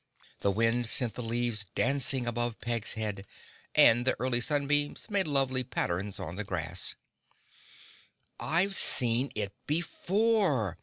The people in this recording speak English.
The wind sent the leaves dancing above Peg's head and the early sunbeams made lovely patterns on the grass. "I've seen it before!"